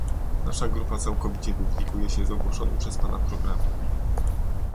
Nasza grupa całkowicie identyfikuje się z ogłoszonym przez pana programem